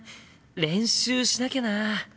練習しなきゃな。